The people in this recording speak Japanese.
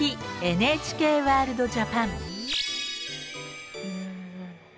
ＮＨＫワ−ルドＪＡＰＡＮ」。